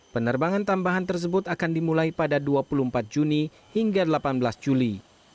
penerbangan tambahan tersebut akan dimulai pada dua puluh empat juni hingga delapan belas juli